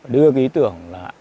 đưa cái ý tưởng là